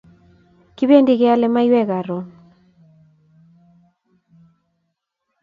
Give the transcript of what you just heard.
Kipendi keyale maiyek karun